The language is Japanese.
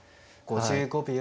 ５５秒。